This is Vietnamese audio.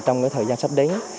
trong thời gian sắp đến